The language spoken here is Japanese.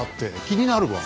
気になるわ。